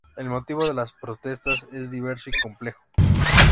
El motivo de las protestas es diverso y complejo.